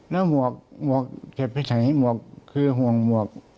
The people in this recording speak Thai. ถ้าหมวกเฉพาะไหนหมวกคือห่วงหมวก